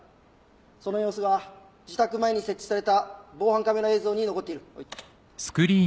その様子が自宅前に設置された防犯カメラ映像に残っている。